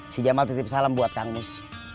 si jamal titip salam buat kang mus